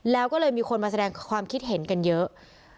แล้วก็เลยมีคนมาแสดงความคิดเห็นกันเยอะ